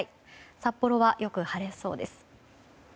札幌はよく晴れそうです。